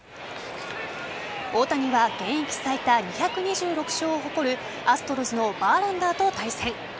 大谷は現役最多、２２６勝を誇るアストロズのバーランダーと対戦。